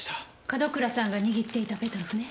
門倉さんが握っていたペトロフね。